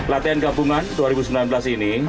latihan gabungan dua ribu sembilan belas ini